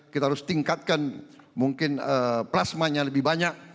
kita harus tingkatkan mungkin plasmanya lebih banyak